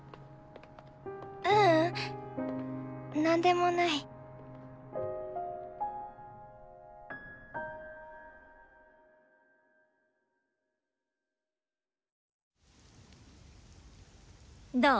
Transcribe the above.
ううんなんでもない。どう？